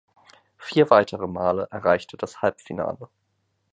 Vier weitere Male erreichte das Halbfinale.